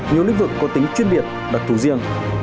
nhiều lĩnh vực có tính chuyên biệt đặc thù riêng